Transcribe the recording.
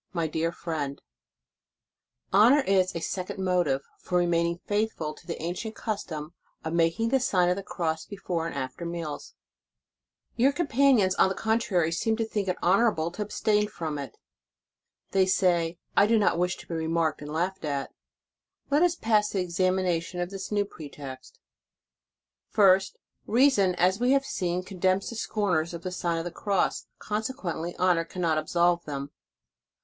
MY DEAR FRIEND: Honor is a second motive for remaining faithful to the ancient custom of making the sien of the Cross before and after meals. o Your companions, on the contrary, seem to think it honorable to abstain from it. They say: "I do not wish to b? remarked and laughed at." Let us pass to the examination of this new pretext. First: reason, as we have seen, condemns the scorners of the Sign of the Cross, conse quently honor cannot absolve them.